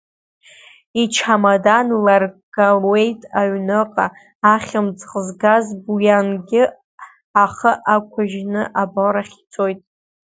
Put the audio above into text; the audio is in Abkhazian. Ичамадан ларгауеит аҩныҟа, ахьымӡӷ згаз Буиангьы ахы ақәыжьны аборахь ицоит.